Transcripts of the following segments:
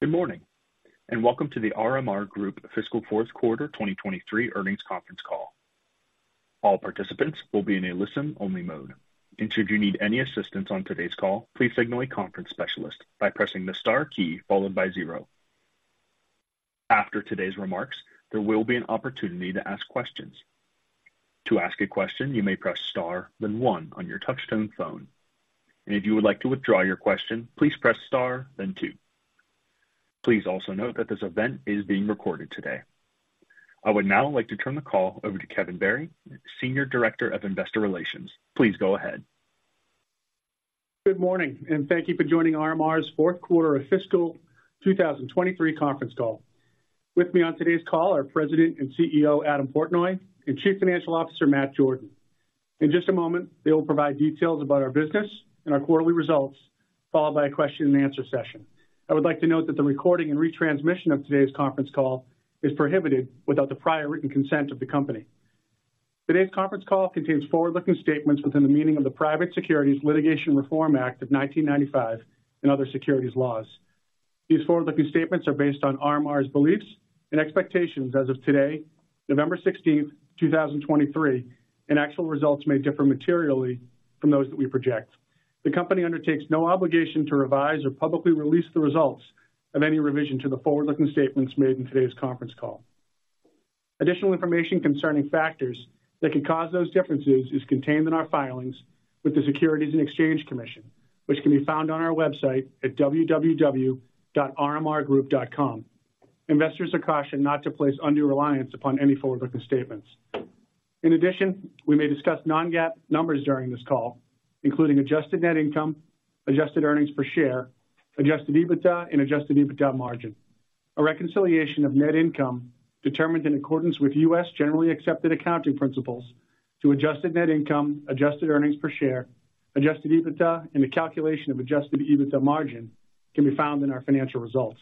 Good morning, and welcome to the RMR Group Fiscal Fourth Quarter 2023 Earnings Conference Call. All participants will be in a listen-only mode, and should you need any assistance on today's call, please signal a conference specialist by pressing the star key followed by zero. After today's remarks, there will be an opportunity to ask questions. To ask a question, you may press Star, then one on your touchtone phone, and if you would like to withdraw your question, please press Star, then two. Please also note that this event is being recorded today. I would now like to turn the call over to Kevin Barry, Senior Director of Investor Relations. Please go ahead. Good morning, and thank you for joining RMR's fourth quarter of fiscal 2023 conference call. With me on today's call are President and CEO, Adam Portnoy, and Chief Financial Officer, Matt Jordan. In just a moment, they will provide details about our business and our quarterly results, followed by a question-and-answer session. I would like to note that the recording and retransmission of today's conference call is prohibited without the prior written consent of the company. Today's conference call contains forward-looking statements within the meaning of the Private Securities Litigation Reform Act of 1995 and other securities laws. These forward-looking statements are based on RMR's beliefs and expectations as of today, November 16th, 2023, and actual results may differ materially from those that we project. The company undertakes no obligation to revise or publicly release the results of any revision to the forward-looking statements made in today's conference call. Additional information concerning factors that could cause those differences is contained in our filings with the Securities and Exchange Commission, which can be found on our website at www.rmrgroup.com. Investors are cautioned not to place undue reliance upon any forward-looking statements. In addition, we may discuss non-GAAP numbers during this call, including Adjusted Net Income, Adjusted Earnings Per Share, Adjusted EBITDA and Adjusted EBITDA Margin. A reconciliation of net income determined in accordance with U.S. generally accepted accounting principles to Adjusted Net Income, Adjusted Earnings Per Share, Adjusted EBITDA and the calculation of Adjusted EBITDA Margin can be found in our financial results.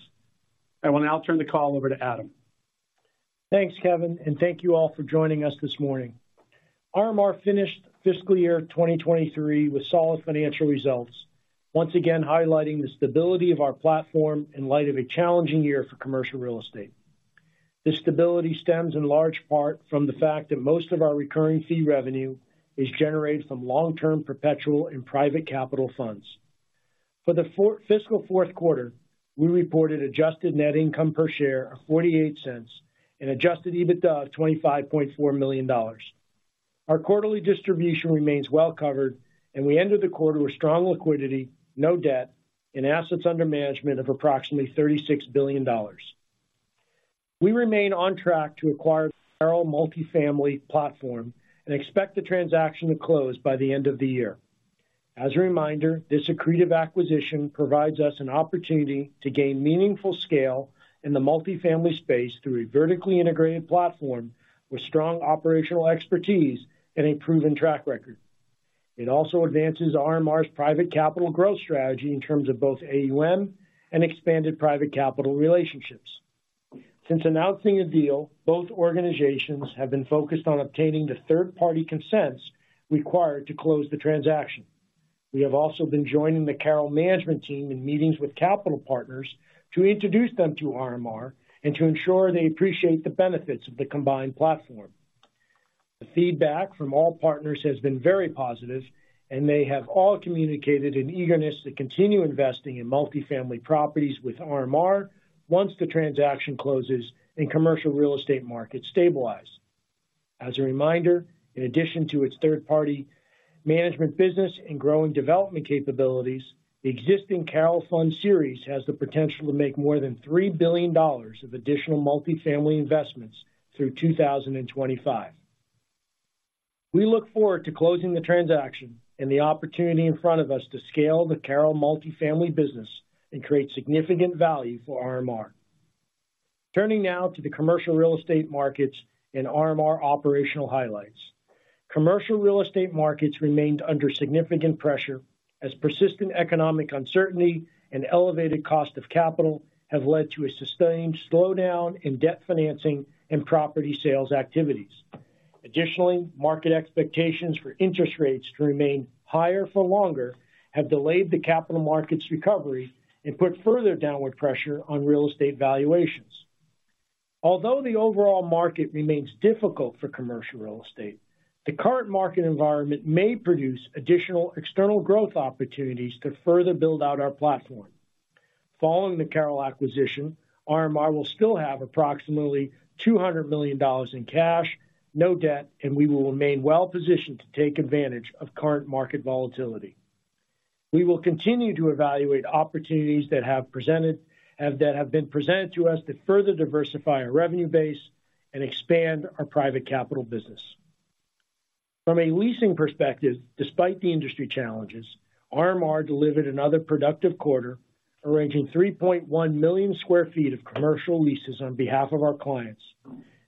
I will now turn the call over to Adam. Thanks, Kevin, and thank you all for joining us this morning. RMR finished fiscal year 2023 with solid financial results, once again highlighting the stability of our platform in light of a challenging year for commercial real estate. This stability stems in large part from the fact that most of our recurring fee revenue is generated from long-term perpetual and private capital funds. For the fiscal fourth quarter, we reported Adjusted Net Income per share of $0.48 and Adjusted EBITDA of $25.4 million. Our quarterly distribution remains well covered, and we ended the quarter with strong liquidity, no debt, and assets under management of approximately $36 billion. We remain on track to acquire Carroll Multifamily Platform and expect the transaction to close by the end of the year. As a reminder, this accretive acquisition provides us an opportunity to gain meaningful scale in the multifamily space through a vertically integrated platform with strong operational expertise and a proven track record. It also advances RMR's private capital growth strategy in terms of both AUM and expanded private capital relationships. Since announcing a deal, both organizations have been focused on obtaining the third-party consents required to close the transaction. We have also been joining the Carroll management team in meetings with capital partners to introduce them to RMR and to ensure they appreciate the benefits of the combined platform. The feedback from all partners has been very positive, and they have all communicated an eagerness to continue investing in multifamily properties with RMR once the transaction closes and commercial real estate markets stabilize. As a reminder, in addition to its third-party management business and growing development capabilities, the existing Carroll Fund series has the potential to make more than $3 billion of additional multifamily investments through 2025. We look forward to closing the transaction and the opportunity in front of us to scale the Carroll multifamily business and create significant value for RMR. Turning now to the commercial real estate markets and RMR operational highlights. Commercial real estate markets remained under significant pressure as persistent economic uncertainty and elevated cost of capital have led to a sustained slowdown in debt financing and property sales activities. Additionally, market expectations for interest rates to remain higher for longer have delayed the capital markets recovery and put further downward pressure on real estate valuations. Although the overall market remains difficult for commercial real estate, the current market environment may produce additional external growth opportunities to further build out our platform. Following the Carroll acquisition, RMR will still have approximately $200 million in cash, no debt, and we will remain well positioned to take advantage of current market volatility. We will continue to evaluate opportunities that have been presented to us to further diversify our revenue base and expand our private capital business. From a leasing perspective, despite the industry challenges, RMR delivered another productive quarter, arranging 3.1 million sq ft of commercial leases on behalf of our clients.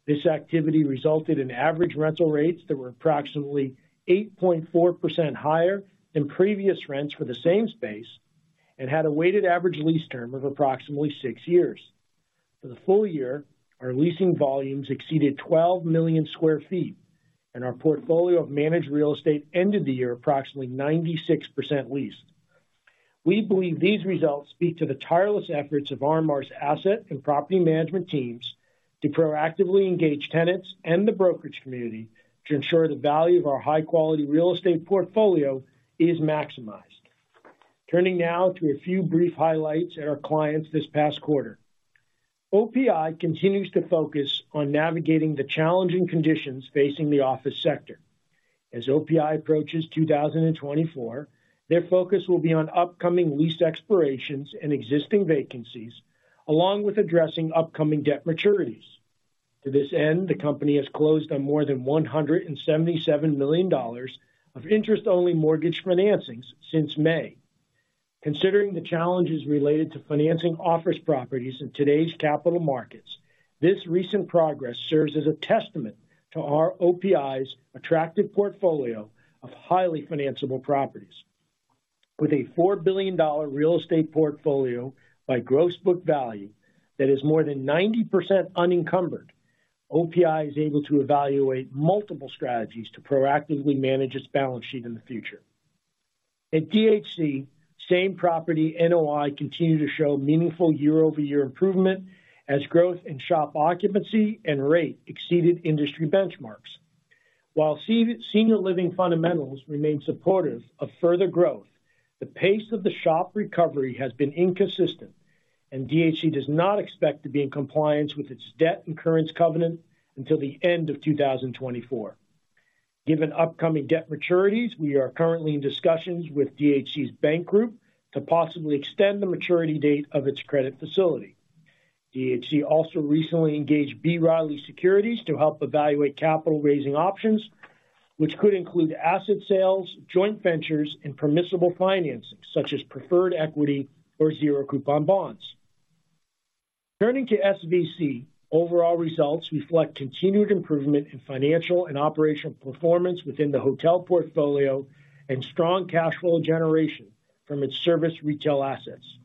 This activity resulted in average rental rates that were approximately 8.4% higher than previous rents for the same space and had a weighted average lease term of approximately 6 years. For the full year, our leasing volumes exceeded 12 million sq ft, and our portfolio of managed real estate ended the year approximately 96% leased. We believe these results speak to the tireless efforts of RMR's asset and property management teams to proactively engage tenants and the brokerage community to ensure the value of our high-quality real estate portfolio is maximized. Turning now to a few brief highlights at our clients this past quarter. OPI continues to focus on navigating the challenging conditions facing the office sector. As OPI approaches 2024, their focus will be on upcoming lease expirations and existing vacancies, along with addressing upcoming debt maturities. To this end, the company has closed on more than $177 million of interest-only mortgage financings since May. Considering the challenges related to financing office properties in today's capital markets, this recent progress serves as a testament to our OPI's attractive portfolio of highly financiable properties. With a $4 billion real estate portfolio by gross book value that is more than 90% unencumbered, OPI is able to evaluate multiple strategies to proactively manage its balance sheet in the future. At DHC, same property NOI continued to show meaningful year-over-year improvement, as growth in SHOP occupancy and rate exceeded industry benchmarks. While senior living fundamentals remain supportive of further growth, the pace of the SHOP recovery has been inconsistent, and DHC does not expect to be in compliance with its debt incurrence covenant until the end of 2024. Given upcoming debt maturities, we are currently in discussions with DHC's bank group to possibly extend the maturity date of its credit facility. DHC also recently engaged B. Riley Securities to help evaluate capital raising options, which could include asset sales, joint ventures, and permissible financing, such as preferred equity or zero coupon bonds. Turning to SVC, overall results reflect continued improvement in financial and operational performance within the hotel portfolio, and strong cash flow generation from its service retail assets.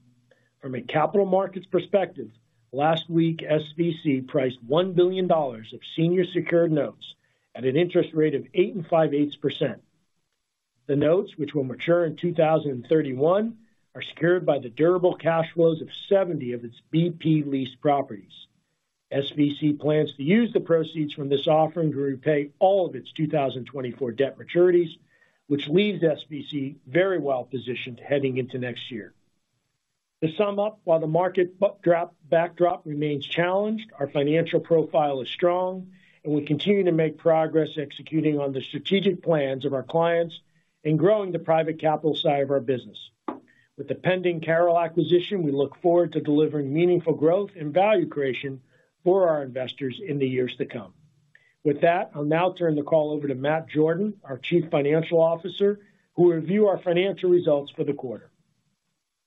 From a capital markets perspective, last week, SVC priced $1 billion of senior secured notes at an interest rate of 8.625%. The notes, which will mature in 2031, are secured by the durable cash flows of 70 of its BP leased properties. SVC plans to use the proceeds from this offering to repay all of its 2024 debt maturities, which leaves SVC very well-positioned heading into next year. To sum up, while the market backdrop remains challenged, our financial profile is strong, and we continue to make progress executing on the strategic plans of our clients and growing the private capital side of our business. With the pending Carroll acquisition, we look forward to delivering meaningful growth and value creation for our investors in the years to come. With that, I'll now turn the call over to Matt Jordan, our Chief Financial Officer, who will review our financial results for the quarter.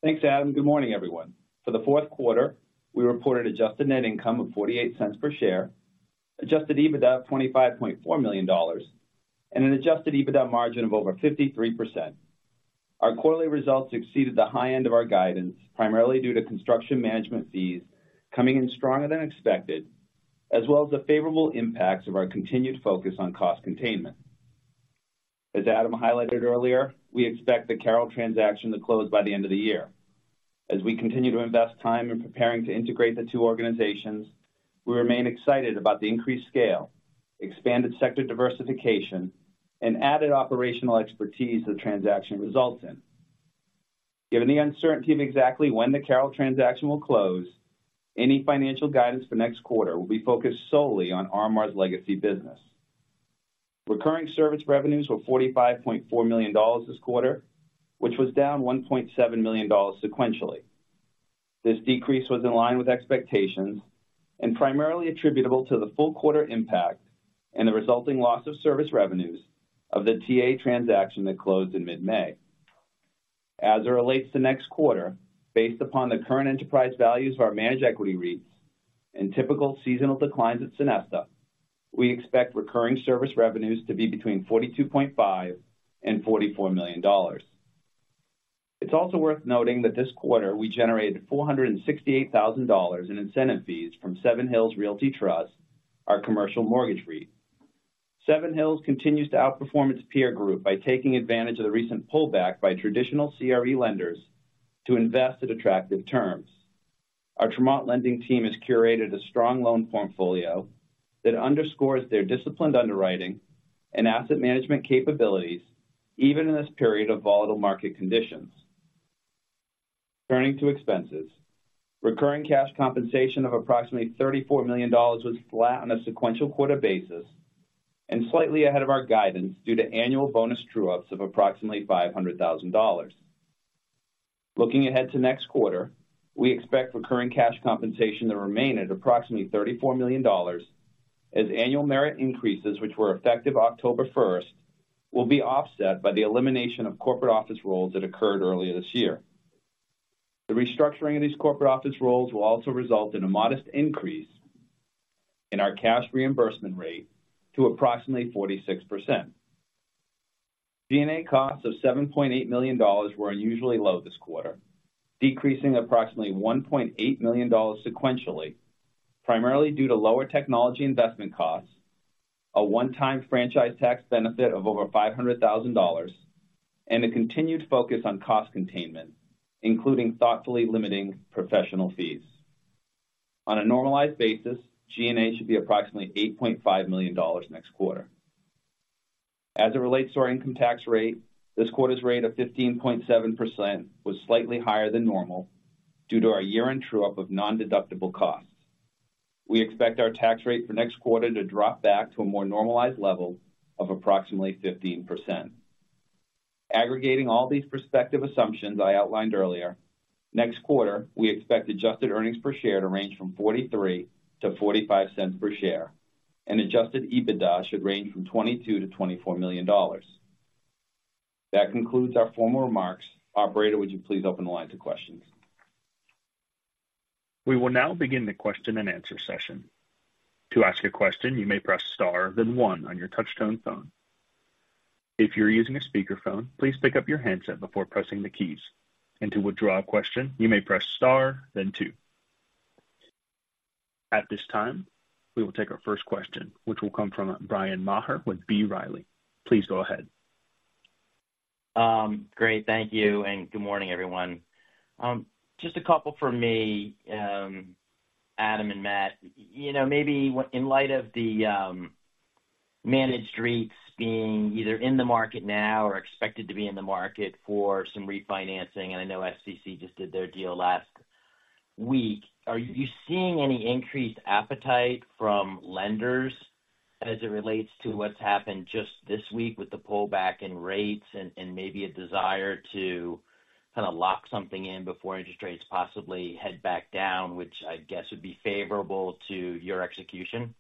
Thanks, Adam. Good morning, everyone. For the fourth quarter, we reported adjusted net income of $0.48 per share, adjusted EBITDA of $25.4 million, and an adjusted EBITDA margin of over 53%. Our quarterly results exceeded the high end of our guidance, primarily due to construction management fees coming in stronger than expected, as well as the favorable impacts of our continued focus on cost containment. As Adam highlighted earlier, we expect the Carroll transaction to close by the end of the year. As we continue to invest time in preparing to integrate the two organizations, we remain excited about the increased scale, expanded sector diversification, and added operational expertise the transaction results in. Given the uncertainty of exactly when the Carroll transaction will close, any financial guidance for next quarter will be focused solely on RMR's legacy business. Recurring service revenues were $45.4 million this quarter, which was down $1.7 million sequentially. This decrease was in line with expectations and primarily attributable to the full quarter impact and the resulting loss of service revenues of the TA transaction that closed in mid-May. As it relates to next quarter, based upon the current enterprise values of our managed equity REITs and typical seasonal declines at Sonesta, we expect recurring service revenues to be between $42.5 million and $44 million. It's also worth noting that this quarter we generated $468,000 in incentive fees from Seven Hills Realty Trust, our commercial mortgage REIT. Seven Hills continues to outperform its peer group by taking advantage of the recent pullback by traditional CRE lenders to invest at attractive terms. Our Tremont lending team has curated a strong loan portfolio that underscores their disciplined underwriting and asset management capabilities, even in this period of volatile market conditions. Turning to expenses. Recurring cash compensation of approximately $34 million was flat on a sequential quarter basis and slightly ahead of our guidance due to annual bonus true-ups of approximately $500,000. Looking ahead to next quarter, we expect recurring cash compensation to remain at approximately $34 million, as annual merit increases, which were effective October first, will be offset by the elimination of corporate office roles that occurred earlier this year. The restructuring of these corporate office roles will also result in a modest increase in our cash reimbursement rate to approximately 46%. G&A costs of $7.8 million were unusually low this quarter, decreasing approximately $1.8 million sequentially, primarily due to lower technology investment costs, a one-time franchise tax benefit of over $500,000, and a continued focus on cost containment, including thoughtfully limiting professional fees. On a normalized basis, G&A should be approximately $8.5 million next quarter. As it relates to our income tax rate, this quarter's rate of 15.7% was slightly higher than normal due to our year-end true-up of nondeductible costs. We expect our tax rate for next quarter to drop back to a more normalized level of approximately 15%. Aggregating all these prospective assumptions I outlined earlier, next quarter, we expect Adjusted Earnings Per Share to range from $0.43-$0.45 per share, and Adjusted EBITDA should range from $22 million-$24 million. That concludes our formal remarks. Operator, would you please open the line to questions? We will now begin the question-and-answer session. To ask a question, you may press star, then one on your touchtone phone. If you're using a speakerphone, please pick up your handset before pressing the keys. And to withdraw a question, you may press star, then two. At this time, we will take our first question, which will come from Bryan Maher with B. Riley. Please go ahead. Great. Thank you, and good morning, everyone. Just a couple from me, Adam and Matt. You know, maybe in light of the managed REITs being either in the market now or expected to be in the market for some refinancing, and I know SVC just did their deal last week, are you seeing any increased appetite from lenders as it relates to what's happened just this week with the pullback in rates and maybe a desire to kind of lock something in before interest rates possibly head back down, which I guess would be favorable to your execution?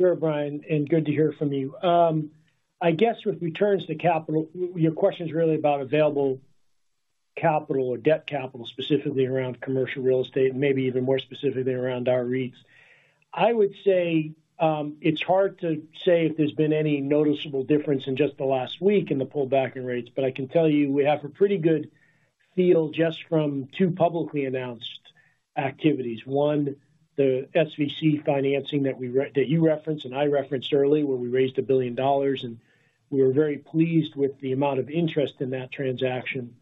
Sure, Brian, and good to hear from you. I guess with returns to capital, your question is really about available capital or debt capital, specifically around commercial real estate, and maybe even more specifically around our REITs. I would say, it's hard to say if there's been any noticeable difference in just the last week in the pullback in rates, but I can tell you we have a pretty good feel just from 2 publicly announced activities. One, the SVC financing that you referenced, and I referenced earlier, where we raised $1 billion, and we were very pleased with the amount of interest in that transaction.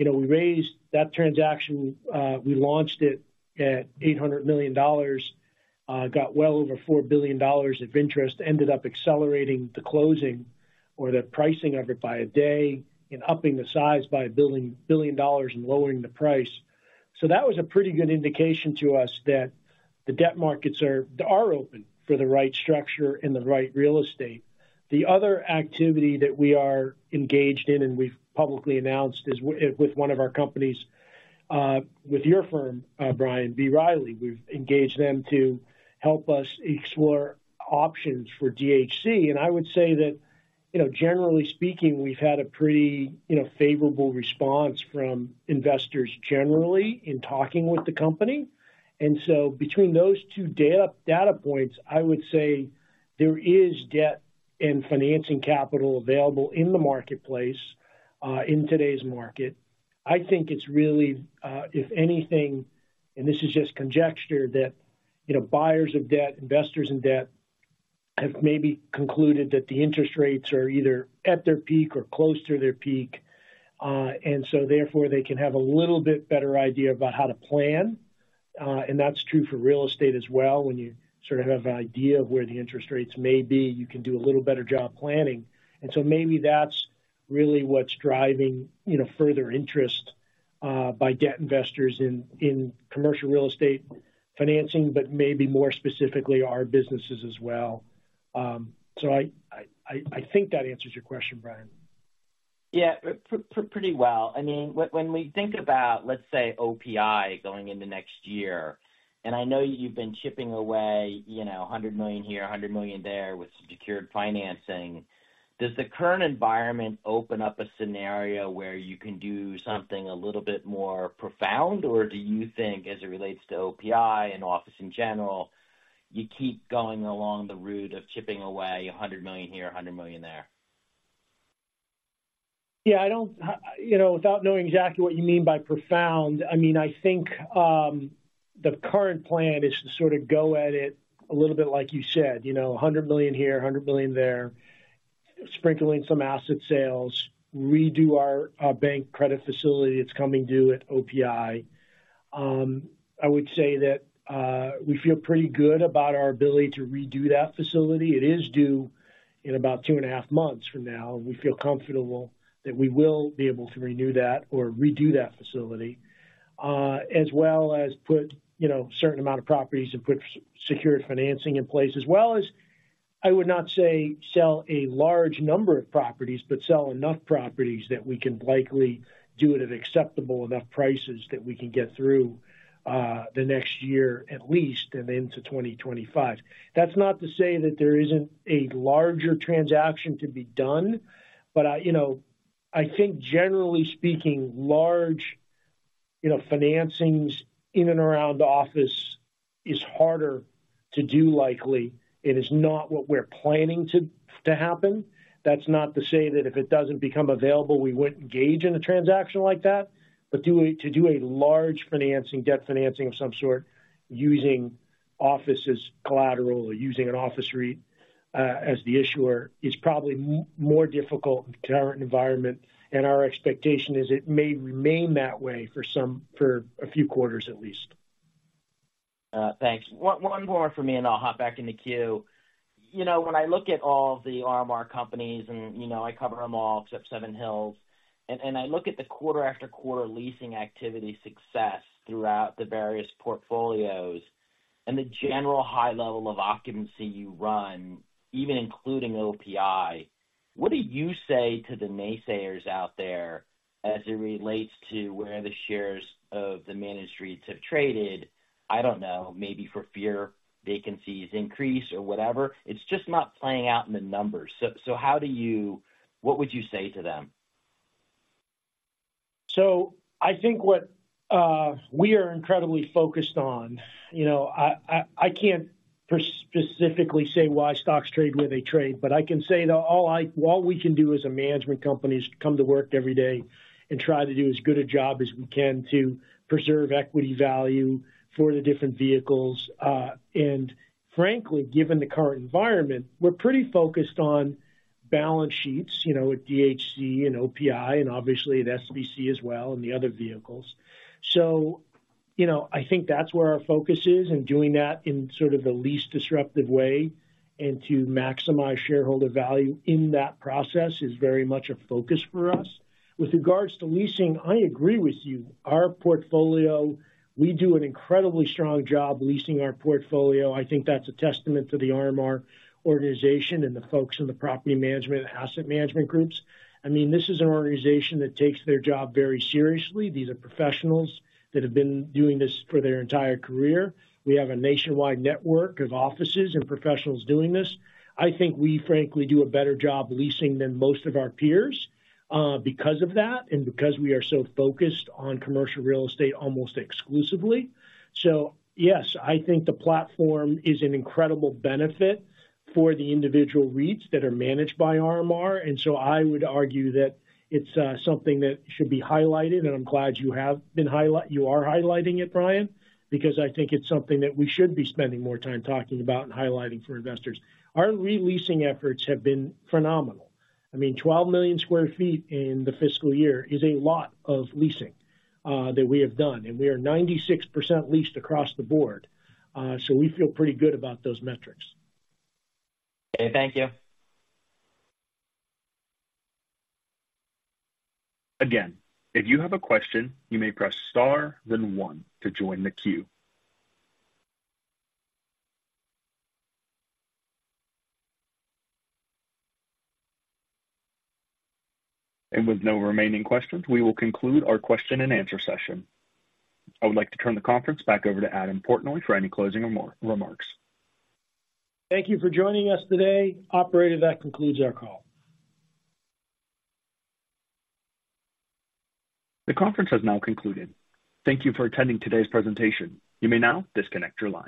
You know, we raised that transaction. We launched it at $800 million, got well over $4 billion of interest, ended up accelerating the closing or the pricing of it by a day and upping the size by $1 billion and lowering the price. So that was a pretty good indication to us that the debt markets are open for the right structure and the right real estate. The other activity that we are engaged in, and we've publicly announced, is with one of our companies, with your firm, Brian, B. Riley. We've engaged them to help us explore options for DHC. And I would say that, you know, generally speaking, we've had a pretty, you know, favorable response from investors generally in talking with the company. Between those two data points, I would say there is debt and financing capital available in the marketplace in today's market. I think it's really, if anything, and this is just conjecture, that you know, buyers of debt, investors in debt, have maybe concluded that the interest rates are either at their peak or close to their peak, and so therefore, they can have a little bit better idea about how to plan. And that's true for real estate as well. When you sort of have an idea of where the interest rates may be, you can do a little better job planning. And so maybe that's really what's driving you know, further interest by debt investors in commercial real estate financing, but maybe more specifically, our businesses as well. So I think that answers your question, Brian. Yeah, pretty well. I mean, when we think about, let's say, OPI going into next year, and I know you've been chipping away, you know, $100 million here, $100 million there with secured financing, does the current environment open up a scenario where you can do something a little bit more profound? Or do you think, as it relates to OPI and office in general, you keep going along the route of chipping away $100 million here, $100 million there? Yeah, I don't... you know, without knowing exactly what you mean by profound, I mean, the current plan is to sort of go at it a little bit like you said, you know, $100 million here, $100 million there, sprinkling some asset sales, redo our bank credit facility that's coming due at OPI. I would say that we feel pretty good about our ability to redo that facility. It is due in about two and a half months from now, and we feel comfortable that we will be able to renew that or redo that facility, as well as put, you know, certain amount of properties and put secured financing in place, as well as, I would not say, sell a large number of properties, but sell enough properties that we can likely do it at acceptable enough prices that we can get through the next year at least, and into 2025. That's not to say that there isn't a larger transaction to be done, but, you know, I think generally speaking, large, you know, financings in and around office is harder to do likely. It is not what we're planning to happen. That's not to say that if it doesn't become available, we wouldn't engage in a transaction like that. But to do a large financing, debt financing of some sort, using office as collateral or using an office REIT as the issuer, is probably more difficult in the current environment, and our expectation is it may remain that way for a few quarters at least. Thanks. One more for me, and I'll hop back in the queue. You know, when I look at all the RMR companies, and, you know, I cover them all except Seven Hills, and I look at the quarter after quarter leasing activity success throughout the various portfolios and the general high level of occupancy you run, even including OPI, what do you say to the naysayers out there as it relates to where the shares of the managed REITs have traded? I don't know, maybe for fear vacancies increase or whatever. It's just not playing out in the numbers. So how do you... What would you say to them? So I think what, we are incredibly focused on, you know, I can't specifically say why stocks trade where they trade, but I can say that all we can do as a management company is to come to work every day and try to do as good a job as we can to preserve equity value for the different vehicles. And frankly, given the current environment, we're pretty focused on balance sheets, you know, at DHC and OPI and obviously at SVC as well, and the other vehicles. So, you know, I think that's where our focus is, and doing that in sort of the least disruptive way and to maximize shareholder value in that process is very much a focus for us. With regards to leasing, I agree with you. Our portfolio, we do an incredibly strong job leasing our portfolio. I think that's a testament to the RMR organization and the folks in the property management and asset management groups. I mean, this is an organization that takes their job very seriously. These are professionals that have been doing this for their entire career. We have a nationwide network of offices and professionals doing this. I think we, frankly, do a better job leasing than most of our peers, because of that, and because we are so focused on commercial real estate, almost exclusively. So yes, I think the platform is an incredible benefit for the individual REITs that are managed by RMR, and so I would argue that it's something that should be highlighted, and I'm glad you are highlighting it, Brian, because I think it's something that we should be spending more time talking about and highlighting for investors. Our re-leasing efforts have been phenomenal. I mean, 12 million sq ft in the fiscal year is a lot of leasing that we have done, and we are 96% leased across the board. So we feel pretty good about those metrics. Okay, thank you. Again, if you have a question, you may press Star, then one to join the queue. With no remaining questions, we will conclude our question and answer session. I would like to turn the conference back over to Adam Portnoy for any closing remarks. Thank you for joining us today. Operator, that concludes our call. The conference has now concluded. Thank you for attending today's presentation. You may now disconnect your lines.